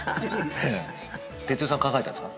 哲代さんが考えたんですか？